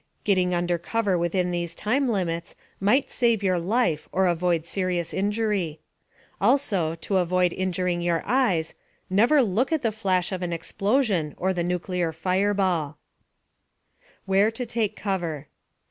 Getting under cover within these time limits might save your life or avoid serious injury. Also, to avoid injuring your eyes, never look at the flash of an explosion or the nuclear fireball. * WHERE TO TAKE COVER.